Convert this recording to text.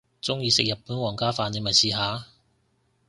鍾意食日本皇家飯你咪試下